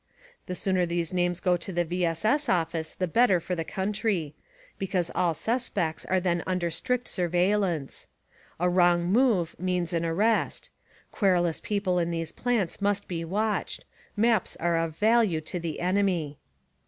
The sooner these names go to the V. S. S. office the better for the country; because all suspects are then under strict surveillance. A wrong move means an arrest. Querulous people in these plants must be watched : Maps are of value to the enemy.